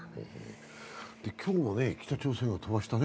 今日も北朝鮮は飛ばしたね。